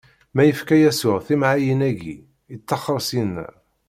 Mi yefka Yasuɛ timɛayin-agi, ittaxxeṛ syenna.